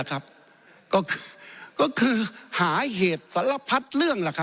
ก็คือหาเหตุสารพัดเรื่อง